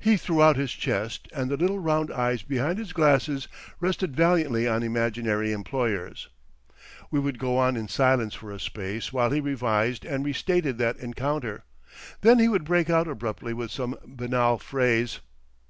He threw out his chest, and the little round eyes behind his glasses rested valiantly on imaginary employers. We would go on in silence for a space while he revised and restated that encounter. Then he would break out abruptly with some banal phrase.